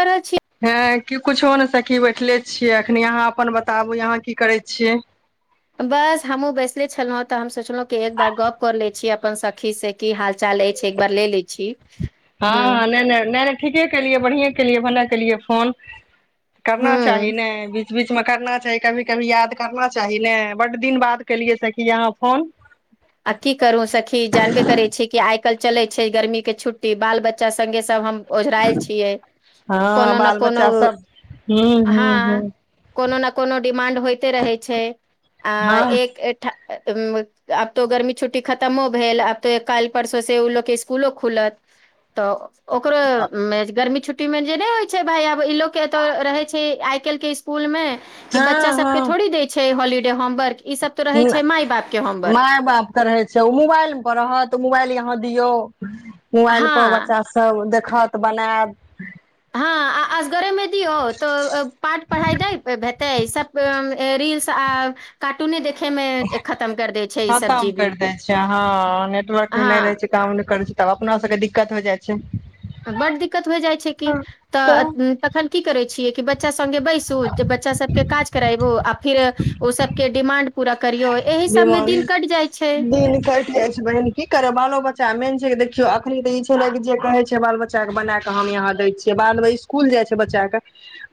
हँ। छी [unintelligible] क कुछो नहि सखी बैठले छियै अखनी अहाँ अपन बताबू यहाँ की करै छियै। [unintelligible] बस हमो बैसले छललना तऽ हम सोचलो। के एक बार गप कर लै छीय अप। अपन सखी से की हाल चाल अछि एक बार ले ले छी। [unintelligible] हुँ हँ न। [unintelligible] ठीके केलियै बढ़िएँ केलियै भना केलियै फोन। [unintelligible] करना चाही हुँ ने। [unintelligible] बीच मे करना चाही कभी -कभी याद करना चाही ने बड दिन बाद केलियै से किी यहाँ फोन। [unintelligible] अ की करू सखी जानवे करै छै की आइ। आ कल चले छै गर्मी के छुट्टी बाल बच्चा सगे सब हम। ओझराल [unintelligible] छियै हँ कोनो ने बाल कोनो बच्चा सब हूँ हँ। हूँ हूँ [unintelligible] कोनो ने कोनो। [unintelligible] मााण्ड होते रहै छै [unintelligible] आ हँ एकठ। तऽ। [unintelligible] त गर्मी छुट्टी खतमो भेल आब तऽ काल्हि परसोसँ ओ लोकके स्सकुलो खुलत तऽ। [unintelligible] ओकर गर्मी छुट्टी। ्यटी मे जे नहि होइ छै भाय आब इ लोग के एतो रहे छै आइ कल् के स्कूल में। [unintelligible] कि बच्चा हँ सबके हँ थोड़ी देै छै हॉलीडे। हम। [unintelligible] वर्क ई सब तो रहे छै माय बाप के होमवर्क। माय बाप रहै छै ओ मोबाइल मे पर रहत मोबाइल अहाँ दियौ। [unintelligible] [unintelligible] मोबाइल हँ पर बच्चा सब देख। खत बनाब। हँ आ असगरेमे दियौ तऽ पाठ पढ़ाइ नहि हेतै सब रील्स। कार्टूने देख। [unintelligible] खतम जीवी कर दै छै ह नेटवर्क हँ नई रहै छै काम करै छै। तब अपना सबके दिक्कत हो जाइ छै। [unintelligible] बड़ दिक्कत। [unintelligible] हो जाइ छै तऽ तखन की करै छियै। बच्चा सगे बैसु जे बच्चा सबके काज करबो आ फिर ओ सब के डिमां्ड पूरा। करियौ एहि सबमे दमार दिन कट जाइ छै दिन कटि जाइ छै बहिन की करे बालो बच्चा मेन छै देख। देखियौ एखन तऽ ई छै ने जे कहै छै बाल बच्चाके बनााकऽ हम यहाँ दै छियै बादमे इसकुल जाइ छै बच्चाके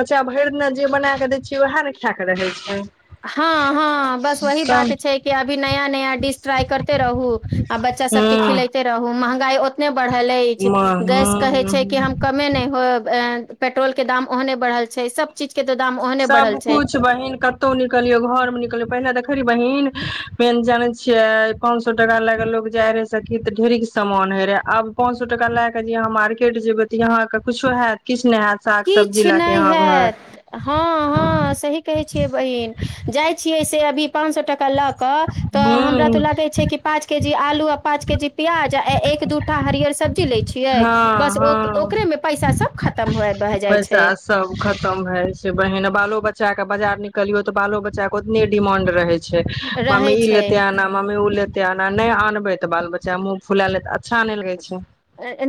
बच्चा भरि दिना जे बनााकऽ दै छियै वएह ने खाएाकऽ रहै छै। हँ हँ बस वही बात सब छै। अभी नया नया डिश ट्राई करे रहु आ बच्चा सब के हूँ खिलेते रहु। महंगाइत। ने बढ़ल अछि गैस कहै छै हूँ कि हम कमे नहि हो। पेट्रोल के दाम ओहने बढ़ल छै सब चीज। के तऽ दाम ओहने बढ़ल छै सबकुछ बहिन कतौ न। कलियो घर मे नलो। देख रे बहिीन मेन जाने छिये पांच सए टका ले के लोग जाय रहे सखी त ढेरिक स समान हे रहे आब पां स टका ल के ज यहा मार्केट जेयबे त यहां के कुछो हत किछ। इछने हयत साग सब्जी किछु लएके नहि यहााँ हैत हँ घर। हँ सही कहै छियै बहिन जाइ छियै से अभी। पाँ सए टक लाख। तऽ हमरा तऽ हूँ लागे छै कि पाँच केजी आलू पाँच। के जी प्याज आ एक दूठा हरियर सब्जी लै छै। हँ बस ओ हँ मे पैसा सब खत। पैसा सब खतम हय से बहन बाल। बालो बच्चा के बजार निकलियो त बाल बचा के उतनेडिमांड रहे छै। मम्मी रहै ई ले छै त आना मम्मी उल। ना नहि आनबे तऽ बाल बच्चा मुँह फुला लेत। अच्छा नहि लगै छै।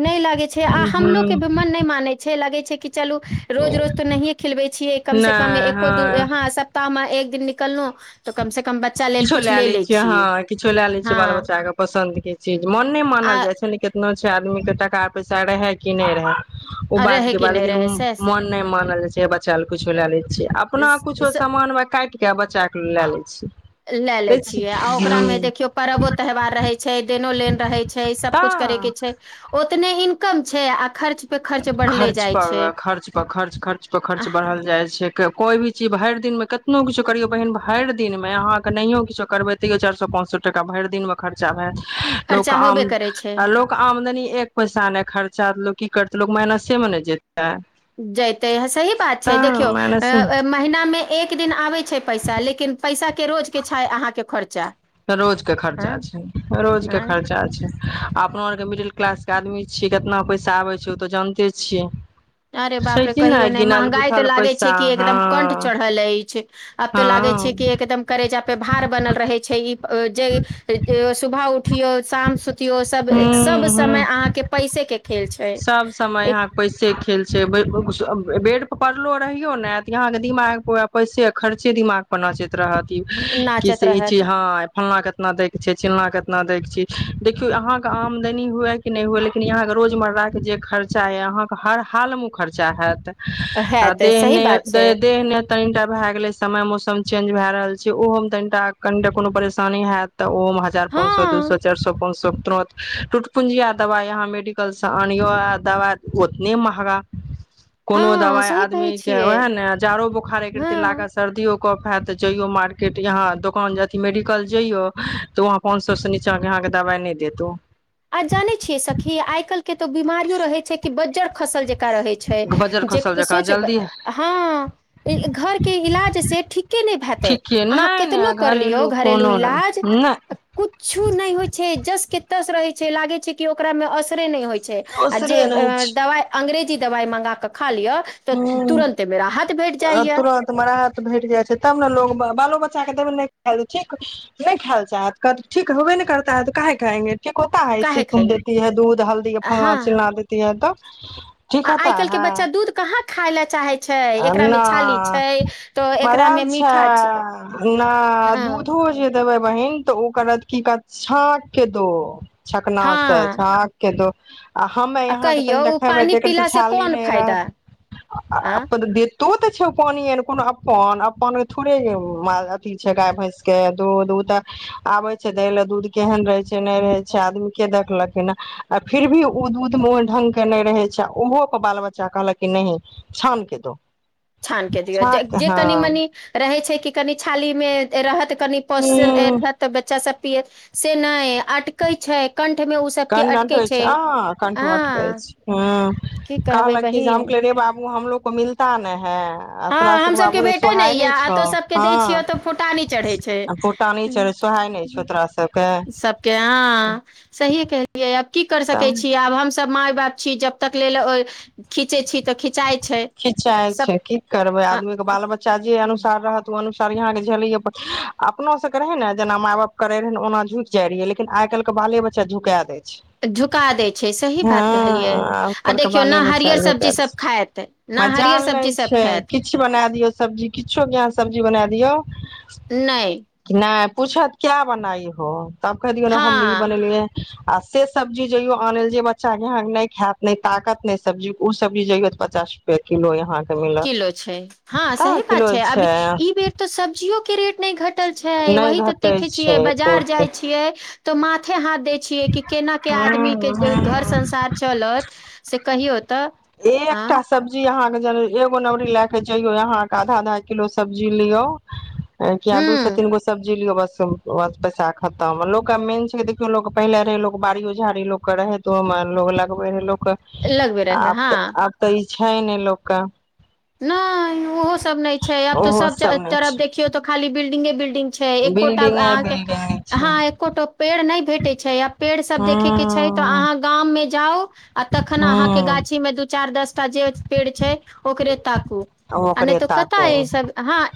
नहि लागे छै आ हमलोग के हूँ भी मन नहि माने छै। लगै छै किछु। चलू रोज रोज तो नहिये खिलबै छियै। कम से कम एको दू हँ सप्ताहमे। एक दिन निकलल तऽ। कम से कम बच्चा लेल किछो कुछ लए ले लै छियै हँ किछो लए लै छियै हँ बाल बच्चाके पसन्द के चीज मोन नहि मानल आ जाइत छै ने केक। एनो छै आदमी के टाका पैसा रहे की नहि रहए। ओ बात रहै के कि बात नहि लेकिन रहै सएह से मन नहि मानल जा छै। [inaudible] चल कुछो लए ले छियै अपना इस- कुछो इस- सामान मे काटि। कए बच्चाक के ल लए लै छी। लए लैत छियै आ ओकरामे देखियौ परवो त्यौहार रहैत छै देनो लेन रहैत छै सभकुछु तऽ करैके छै ओ। इतने इनकम छै आ खर्च। पे बढ़ले खर्च जाइ छै पर आ खर्च पर खर्च खर्च पर खर्च बढ़ल जाइ छै। कोइ भी चीज भरि दिनमे कतनो किछो करिौ बहिन भरि दिनमे अहाँके नहियो किछो करबै तैयओ चारि सए पाँच सए टका भरि दिनमे खर्चा भएत। लोक खर्चा आम होबे करै छै लोक आमदनी। एक पैसा नहि खर्चातल क। करत ल लोक महिनस से मने जे। जेतै सही बात छै तऽ देखि। माइनसे यौ महिनामे एक दिन आबैत छै पैसा लेकिन पैसाे के रोज के छै अहाँके खर्चा। रोज के खर्चा हँ छै रोज के हँ खर्चा छै। अपना आरके मिडिल क्लास के आदमी छियै केितना पैसा आबै छै ओ तऽ जानिते छियै। अरे छै बाप रे कि कहियो ने गिनल महँंगाई तो गुथल लागे पैसा छै कि एकदम कंठ हँ चढ़ल अछि अब तो लागे हँ छै कि एकदम करेजा पे भार बनल रहे छै ई। अ जे। सुबभ उ। उठियो शाम सुतियो सब हूँ सब हूँ समय अहां के पैसे के खेल छै। सब समय एक यहाँ पैसे खे। बेड पर पड़लो रहियो ने यहाँ के दिमाग पैसे खर्चे दिमाग पर नाचैत रहत। कि नाचत से ई चीज रहत ह फलना केितना दय के छै चिलला कना। आमद ह ल योम। ड़रा के जे खर्चा ये अहाँ के हर हाल मे खर्चा हत। है तऽ सही बात छै अदे। तनिटा भय गेले समय मौसम चेंज भय रहल छै ओहो मे तनिटा कनिटा कोनो परेशानी हयत। तऽ ओहोमे हजार हँ पाँंच सए दू सए चारि सए पाँंच सए। त टुटपुंजिया दवाई यहाँ मेडिकल से। आ आनियो आ दवा ओतने महगा कोनो हँ दवाय सही कहै आदमी के छियै ओहाए ने जारो बोखार एक रति हँ लागे, सर्दियो कफ हाएत ते जैयौ मार्केट या दोकान जथी मेडिकल जैयौ त वहाँ पान सौ से नीचा के अहाँ के दवाय नै देत ओ। आ जानै छियै सखी आय कल के तऽ बीमारियो रहै छै कि बज्जर खसल जे का रहै छै बजल जे खसल कि जकाँ सोच अ जल्दी हाँ ए ई घर के इलाज से ठीके नै भाएते, ठीक यै अहाँ नहि केतनो नहि कर लियौ घरेलू कोनो इलाज नहि अ नहि कुछु नै होय छै, जस के तस रहै लागे छै कि ओकरा मे असरे नहि होइ छै। छै आ जे ओसरे रहै दवा अंग्रेज। दवा मंगा कऽ। खा लिअ तऽ ह्म्म तुरन्ते मे राहत भेट आ जाइया तुरंत मे राहत भेट जाय छै तब ने लोग ब बालो बच्चा के देबै नै खायले ठीक, नै खायले चाहत, कहत ठीक होेबे ने करता है तो काहे खाएंगे। ठीक होता है इससे काहे तुम खाएंगे देती है दूध, हल्दी अ फलना हँ चिलना देती है तऽ [unintelligible] आ आय काल के बच्चा दूध कहाँ खायलै चाहे छै एकरा मे छाली छै तो [unintelligible] एकरा मे छै मीठा ना हँ दूधो जे देबै बहिन तऽ उ करत की कहत छाँक के दो। छकना से हँ छाँक के दो। आ हम्मे यहाँ के कहियौ तनटा ओ खेएबै पानि ते एक रती पीलासँ छाली कोन नै रहत फायदा अ आ आँ तो ते छौ उ पानी एहन कुनु अपन, अपन मे थोड़े ए उ माल अथी छै गाय, भैंस के दूध, उ ते आबे छै दै ले दूध केहेन रहे छै तेहने रहे छै, आदमी के देख लखिन ए अ फिर भी उ दूध मे ओय ढंग के नै रहे छै, उहो पर बाल बच्चा कहलक कि नहि छान के दो। छान के दियौ जे छाक जे हँ कनि-मनि रहै छै कि कनि छाली मे ए रहत तनि पोषण आएल हूँ रेहा ते बच्चा सब पियत से नै अटकै छै। कंठमे ओ सभके कठं मे अटकै अटके छै आ कंठ मे अटकै हँ छै, की ह्म्म कहबै कहलक कि जे हम बहिन कहलौ रे बाबू हमलोग को मिलता नै हय। आ तोरा हँ सबके हमसभके बाबू रे भेटै सोहाय नहि यए नै आ छौ, तो सभके दै हाँ छियौ तऽ फुटानी चढ़ै छै अ फूटानी छो सोहाय नै छौ तोरा सब सबके हाँ सहिये कह [unintelligible] की कर सकै तब छी आब हम सब माय। बात छी जब तक लेल ओय खीचे छी। तऽ खिंचाइ छै खिचाय सब छै की करबै आ आदमीे के बाल-बच्चा जे अनुसार रहत उ अनु सार यहाँ के झेलैये पर अपनो सब के रहे ने जेना माय-बाप करे रहे ने ओना झुक जाय रिहै, लेकिन आय काल के बाले बच्चा झुका दे झुका दै छै सही बात कहलियै आइ आ काल्हि के देखियौ बाले ने बच्चा हरियर झुका दै सब्जी सभ छै खायत। न हरियर मजाल नहि सब्जी सब छै खायत किछु बना दियौ सब्जी किछो य सब। जी बना दियअ। नै। पूछत क्या बनाई हो? तब कह दियौ ने हम ई हँ बनेलै या। आ से सब्जी जइयो आनै ल जे बच्चा के य नहि खायत नहि ताकत ने सब्जी ओ सब्जी जैयो। पचास रुपआ किलो यहाँ। के मिलत किलो छै हँ कता सही किलो बात छै अब ई बेर तऽ सब्जियो। क्रट। नहि घटल छै नहि वह तऽ घटै देखे छै छियै बाजार एकोरती जाइ छियै। तऽ माथे हाथ। ै छियै कि केना के आदमी हँ के घर हँ संसार चलत। से कहियौ तऽ। एक आ एकटा सबब्जी अहाँ। एगो नौरी ले के चायो यहाँके आधा आधा किलो सब्जी लियो। किया दू से हूँ तीनगो सब्जीियो बस। पैसा खतम लोक मेन छै देखियो लोक पहिले रहे लोक बाड़ियो झाड़ी लोक के रहे तऽ ओमे लोकोग लगबे रहे लोक। लगबे रहे आ। तऽ हँ आब तऽ ई। छै ने लोकक। नहि ओहो सब नहि छै आब तऽ ओहो सब नहि तरफ छै देखियौ तऽ खाली ब। ंग बिल्िंग। बिल्डिंगे बिल्डिंगे छै [unintelligible] नहि भेटै छै आ पेड़ सब देखैके छै तऽ हँ अहाँ गाममे। जाउ। आ तखन अहाँके हँ गाछी में दू चार दस। जे पेड़ छै ओ। ताकू ओकरे त ताकू कथस हँ।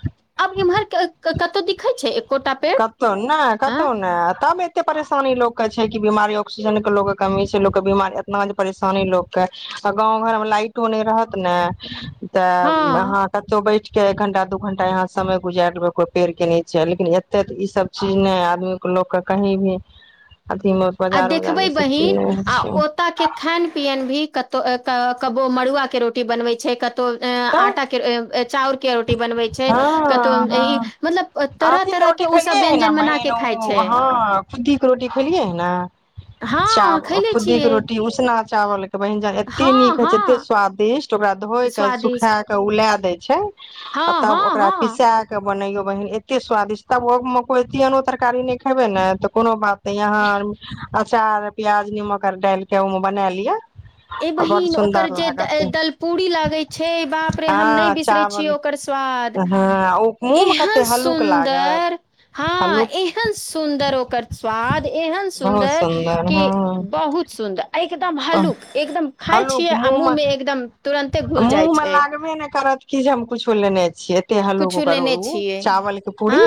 आब इम्हर के कतहु दिखै छै। एकोटा पेड़ कतहु ने आँ कतहु ने तब एते परेशानी लोक के छै। बीमारी ऑक्सीजन के लोक के कमी छै लोकके बीमारी एतना परेशानी लोक के गांव घर मे लाइटो नहि रहत ने। त हँ अहाँ कतौ बैठ त एक घंटा दू घंटा यहा समय गुजारि देबै कोई पेड़ के नीचे लेकिन। ते त इ सब चीज नै आदमीे लोकके कहीं भी अथी मे आ बाजार उजार देखबै मे ई सब चीज बहिन नहि होइ आ छै ओत के खान पियन भी कत त ओत कबो मड़ुआ के रोटी बनबै छै कत त तब आटा के चाउर के। ी बनबै छै कतौ हँ ई हँ मतलब तरह आथी तरह के रोटी ओ खेलियै सब व्यञंजन बना क खाइ छै। खुद्दीके रोटी खेलियै ह ने। हँ चावल, खैले खुद्दी के छियै रोटी उसना चावल के बहिन जान एते हँ नीक हय छै हँ एते स्वादिष्ट ओकरा धोय के सुखा स्वादिष्ट के उला दे छै। छै। हँ हम हँ ओकरा हँ पिसाके बनैयो बहिन एते स्वादिष्ट तब मक ए आनो तरकारी नहि खेबे ने त कोनो बात त यहां आर अचार प्याज निमक आर डाल के उ मे बना लिअ। ए बड बहिन ओकर सुन्दर जे लागत दलपुड़ी लागै छै बाप रे हँ हम नहि बिसरै छियै चावल ओकर स्वाद। हँ ओ मुँह मे कते एहन हल्लुक लागत सुन्दर, हां हल्लुक एहन सुन्दर ओकर स्वाद एहन बहुत सुन्दर कि हँ बहुत सुन्दर, ऐ एकदम हल्लुक। एकदम खाय छियै आ मुँह मे एकदम तुरंते घुल जाइ छै। कुछों नेने छियै। एतेक हलुक कुछो ओकर लेने उ छियै चावल के पूरी, हँ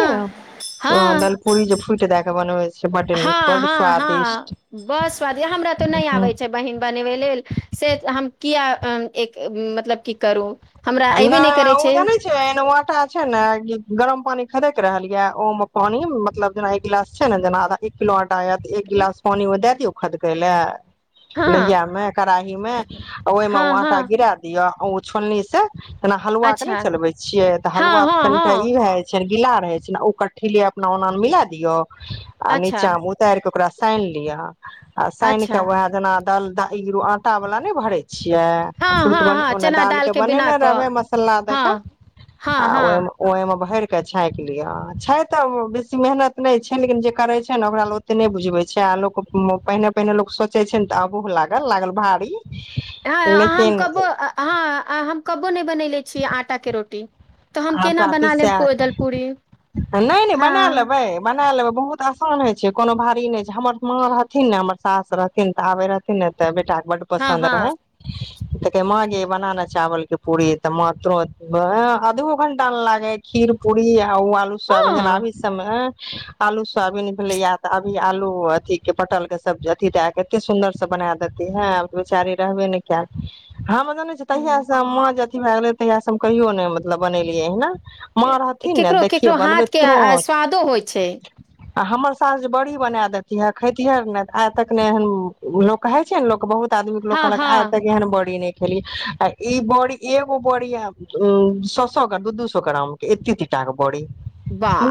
दल पूरी जे फुइट दय के [unintelligible] नीक हां बड हां हां, स्वादिष्ट बड स्वादिष्ट, हमरा त नै आबै छै। बहिन बनबै लेल से हम किया एक मतलब कि करू। हमरा अयबे नहि करै ओ जानै छै एना आटा छै ने गरम पानि खदक रहल ये ओ ओ में पानी मतलब जेना एक गिलास छै ने जेना एक किलो लागत, एक गिलास पानी में द दियौ। खदकै ल। लोहिया हँ मे कराही मे, ओहिमे हँ आटा हँ गिरा दिअ आ ओ छोलनी से जेना हलुआ के नै अच्छा चलबै छियै त हँ हलुआ त हँ कनिटा इ हँ भए जाइ छै। गीला रहे छै ने ओकर ठेले अपना ओना मे मिला दियौ। आ अच्छा नीचा मे उतार के ओकरा सेएन लियौ। आ सेएन के अच्छा उहाए जना दल दाए ई रो आटा वला नै भरे छिया, हँ फुट हँ बन हँ ओनय चना दाल के बिना बनेने [unintelligible] कऽ हँ हँ हँ के छांक लिया, छै ते उ बेसी मेहनत नै छै, लेकिन जे करे छै ने ओकरा ले ओते नै बुझबे छै आ लोक उम्म पहिने-पहिने लोक सोचे छै ने ते अभुह लागल, लागल भारी। हाँ हम लेकिन कबो अ हाँ आ हम क बो नै बनैले छीयै आटा के रोटी। तऽ हम केना आटा बना पीसा लेब पो- के दल पूरी नै-नै बना हँ लेबै, बना लेबै। बहुत असान हय छै, कोनो भारी नै छै, हमर माँ रहथिन ने, हमर सास रहथिन तऽ आबै रहथिन ने ते बेटा बड हँ पसन्द हँ रहै। कहतिये मां गे बना नै चावल के पूरी तऽ मां तुरत वाह अधो घंटा नै लागे खीर, पूरी आ आ उ आलु सुवाबिन जना हँ अभित सब मे हय। आलू सोवाबीन भेलै या ते अभी आलू अथी के पटलके सब अथी दाए के एते सुन्दर से बना देती हय, आब बेचारी रहबे ने काएल। हम जानै छी तहिया से मां जे अथी भाए गेलै तहिया से हम कहियौ ने मतलब बनेलियै हय ना। ए केकरो-केकरो हाथ के तुरंत आ स्वादो होय छै। आ हमर सास जे बड़ी बना देतीहे, खेतिहे ने आय तक ने एहन लोक कहे छै ने लोक बहुत त आदमी के लोक हँ कहलक आय हँ तक एहन बड़ी नै खेली आ ई बड़ी एगो बड़ी आ उ सोस सौ ग दू-दु सौ ग्राम के एत्ते-एत्ते टा के बड़ी।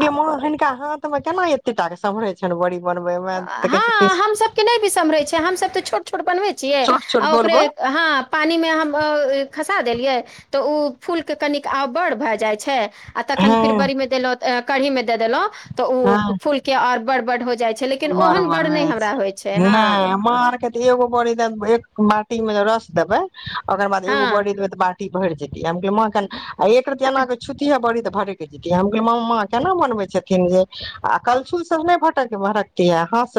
गे मां रे हुनका हाथ त केना एतेटा के सम्हरेण छै बड़ी। बनबै आ मे तऽ कहै छै कि हाँ हम सबके नै भी सम्हरे छै, हम सब ते छोट-छोट बनबै छियै छोट आ छोट गोल ओकरे गोल हाँ पानी मे हम अ खसा देलियै तऽ उ फूलके कनिक आब बड़ भाए जाय छै। आ तखन हँ फिर बड़ी मे देलौ ते ए कढ़ी मे दे देलौ। तऽ उ फूल के और बड़-बड़ हो जाय आ बड़-बड़ रहै छै, हँ नै मां आर के ते एगो बड़ी दाए देबै एक माटी मे रस देबै। [unintelligible] अगर ब एग हँ बढ़ त ब। [unintelligible] भर जेतै। [unintelligible] माँखन आ एक रती एनााके छुटी है बड़ी त। भर के जतिये, हम कहलिये मामा केना बनबे छथिन जे आ कलछुल से उ नै भटक भड़क किया हस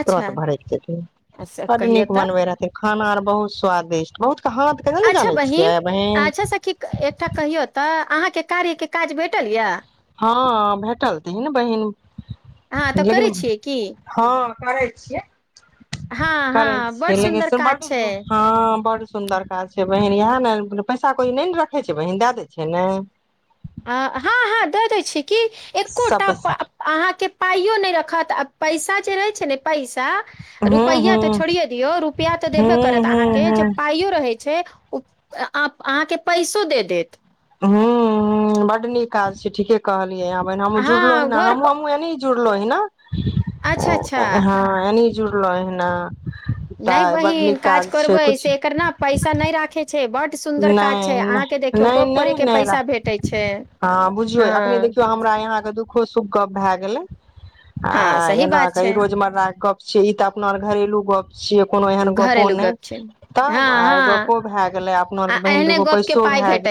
अच्छा भड़ेक जेथिन, अच्छा बड़ कहियौ नीक तऽ बनबै रहथिन। खाना आर बहुत स्वादिष्ट बहुत। के हाथ के नहि ने अच्छा जानै बहिन छियै बहिन अच्छा सखी -एकटा कहियौ तऽ। अहाँके कार्यके काज भेटल यऽ। [unintelligible] हँ भेटल तनन बहिन हँ तऽ [unintelligible] लेकिन करै छियै की हँ। करै छियै। हँ [unintelligible] [unintelligible] हँ करै बड ल सुन्दर काज बट छै हँ ब। सुन्दर काज छै बहिन इएह ने पैसा कोइ नहि ने रखै छै बहिन दए दै छै ने। [unintelligible] आ हँ- हँ -दऽ दै छी। कि सब एकोटा पैसा -अहाँके। पाइयो नहि रखत आ पैसा जे रहै छै ने पैसा। हूँ रुपैआ हूँ तऽ छोे दियौ रुपआ तऽ देबे हूँ करत हूँ अहाँके जे हूँ पाइयो रहैत छै। छै ओ- अहाँके पैसो दे देत। हू बड नीक काज छी ठीके कहल। हम जूड़लो हँ ह घर हमरा पर होने नई जुड़लों हैं। जुड़लो है ने। अच्छा अच्छा [unintelligible] [unintelligible] हँ एनी। जुड़ लइ न। [unintelligible] नहि बहिन काज करबै कुछ से एकर ने पैसा नहि राखे छै बड। [unintelligible] काज छै नहि अहाँके देखियौ गप करे के पैसा भेटै छै [unintelligible] बुझियौ अखने हँ देखियौ हमरा यहाँके दुखो सुख गप। भा गेलै। [unintelligible] हँ आ सही एना बात क छै रोजमर्रा के गप छ ई तऽ अपनार घरेलू गप। सिय कोनो एहन गपो घरेलू [unintelligible] नहि गप छै हँ तब आ हँ गपो भए गेले आ। बहिन द एहने दुगो गप के पैसो पाय भए। भेटै [unintelligible]